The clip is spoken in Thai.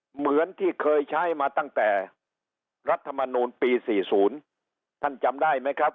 เหมือนที่เคยใช้มาตั้งแต่รัฐมนูลปี๔๐ท่านจำได้ไหมครับ